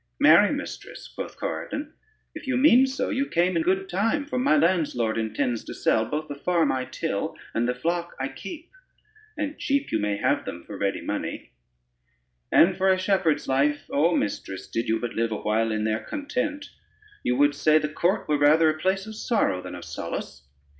"Marry, mistress," quoth Corydon, "if you mean so, you came in good time, for my landslord intends to sell both the farm I till, and the flock I keep, and cheap you may have them for ready money: and for a shepherd's life, O mistress, did you but live awhile in their content, you would say the court were rather a place of sorrow than of solace.